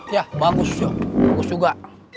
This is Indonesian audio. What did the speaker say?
ya bagus sih bagus juga